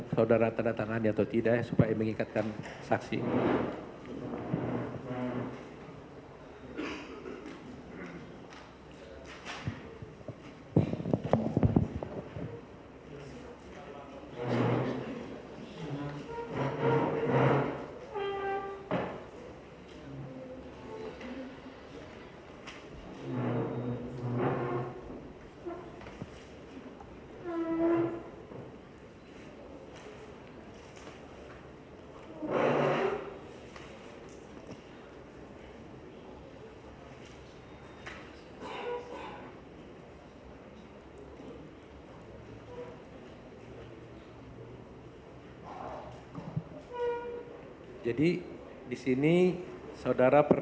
saya tidak tahu